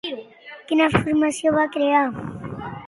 Quina formació va crear?